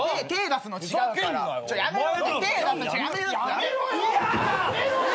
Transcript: やめろよ！